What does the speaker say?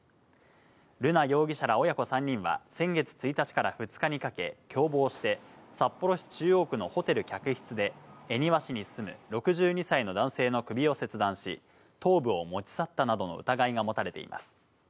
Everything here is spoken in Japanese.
瑠奈容疑者ら親子３人は、先月１日から２日にかけ、共謀して、札幌市中央区のホテル客室で、恵庭市に住む６２歳の男性の首を切断し、頭部を持ち去ったなどの疑いが持たれています。